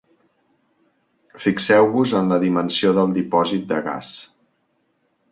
Fixeu-vos en la dimensió del dipòsit de gas.